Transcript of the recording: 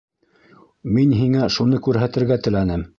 Мин һиңә шуны күрһәтергә теләнем.